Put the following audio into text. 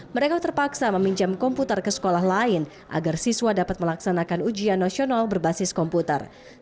mereka terpaksa meminjam komputer ke sekolah lain agar siswa dapat melaksanakan ujian nasional berbasis komputer